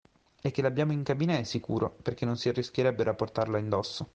E che l'abbiano in cabina è sicuro, perché non si arrischierebbero a portarla in dosso.